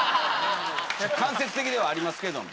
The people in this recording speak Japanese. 間接的ではありますけども。